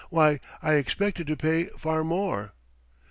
"Why, I expected to pay far more."